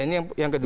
ini yang kedua